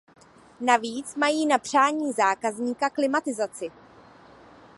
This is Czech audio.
Navíc mají na přání zákazníka klimatizaci.